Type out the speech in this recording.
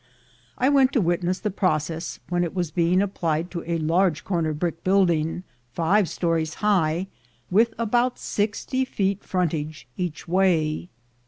I went to witness the process when it was being applied to a large corner brick building, five stories high, with about sixty feet frontage each way.